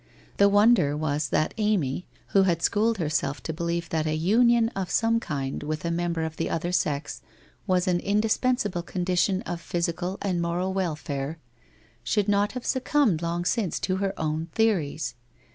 The wonder was that Amy, who had schooled herself to believe that a union of some kind with a member of the other sex was an indispensable con dition of physical and moral welfare, should not have succumbed long since to her own theories!